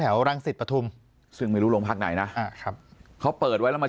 แถวรังศิษย์ประทุมซึ่งไม่รู้ลงพักไหนนะเขาเปิดไว้แล้วมา